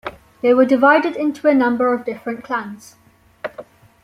They were divided into a number of different clans.